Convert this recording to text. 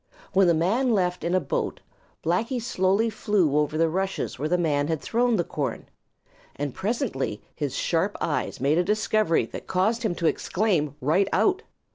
When the man left in a boat, Blacky slowly flew over the rushes where the man had thrown the corn, and presently his sharp eyes made a discovery that caused him to exclaim right out.